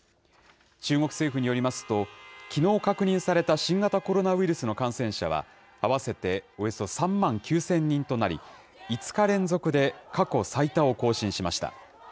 中国政府によりますと、きのう確認された新型コロナウイルスの感染者は合わせておよそ３万９０００人となり、５日連続で過去最多を更新しました。